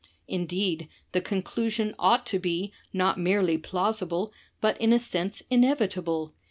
"Indeed the conclusion ought to be not merely plausible, , but in a sense inevitable.